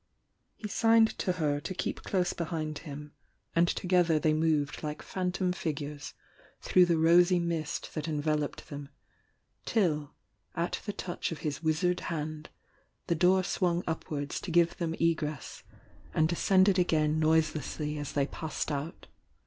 He signed to her to keep close behind him; and THE YOUNG DIANA 239 together they moved like phantom figures through the rosy mist that enveloped them, till, at the touch of his wizard hand, the door swung upwards to give them egress and descended again noiselessly as they passed out.